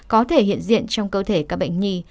có thể hiện diện trong cơ thể các bệnh nhi